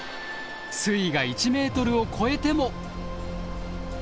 水位が１メートルを超えても。